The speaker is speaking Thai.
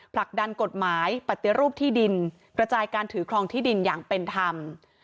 ผลักดันกฎหมายปฏิรูปที่ดินกระจายการถือครองที่ดินอย่างเป็นธรรม